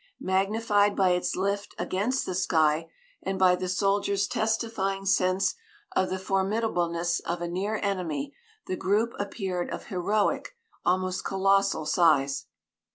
Magnified by its lift against the sky and by the soldier's testifying sense of the formidableness of a near enemy, the group appeared of heroic, almost colossal, size.